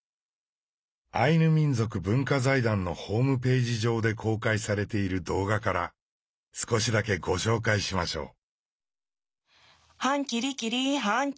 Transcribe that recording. アイヌ民族文化財団のホームページ上で公開されている動画から少しだけご紹介しましょう。